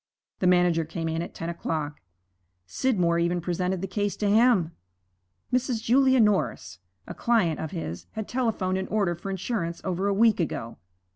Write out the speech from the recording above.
The manager came in at ten o'clock; Scidmore even presented the case to him: Mrs. Julia Norris, a client of his, had telephoned an order for insurance over a week ago.